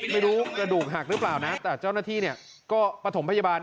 ไม่รู้กระดูกหักหรือเปล่านะแต่เจ้าหน้าที่เนี่ยก็ประถมพยาบาล